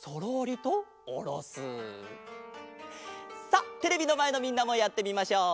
さっテレビのまえのみんなもやってみましょう！